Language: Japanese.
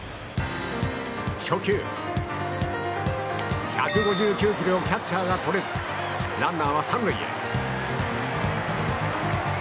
初球、１５９キロをキャッチャーがとれずランナーは３塁へ。